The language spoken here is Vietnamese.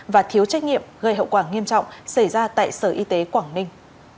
và thiếu trách nhiệm gây hậu quả nghiêm trọng xảy ra tại sở y tế quảng ninh